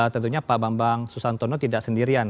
tentunya pak bambang susantono tidak sendirian